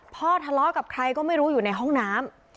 ทะเลาะกับใครก็ไม่รู้อยู่ในห้องน้ำ